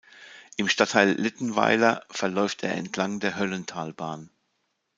Im Stadtteil Littenweiler verläuft er entlang der Höllentalbahn.